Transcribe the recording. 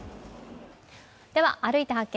「歩いて発見！